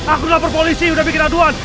aku lapor polisi udah bikin aduan